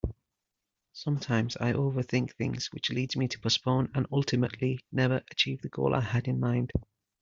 Sometimes I overthink things which leads me to postpone and ultimately never achieve the goal I had in mind.